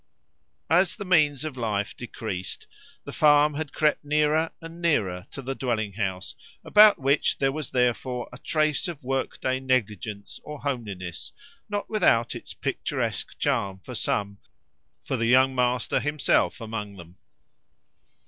As the means of life decreased, the farm had crept nearer and nearer to the dwelling house, about which there was therefore a trace of workday negligence or homeliness, not without its picturesque charm for some, for the young master himself among them.